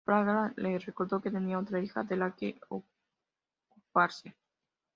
Fraga le recordó que tenía otra hija de la que ocuparse.